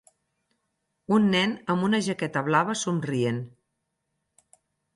Un nen amb una jaqueta blava somrient.